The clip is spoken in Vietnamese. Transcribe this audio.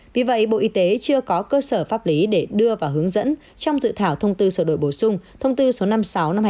vì vậy bộ y tế chưa có cơ sở pháp lý để đưa và hướng dẫn trong dự thảo thông tư sửa đổi bổ sung thông tư số năm mươi sáu năm hai nghìn một mươi